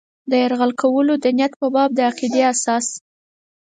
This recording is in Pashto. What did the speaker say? د یرغل کولو د نیت په باب د عقیدې اساس.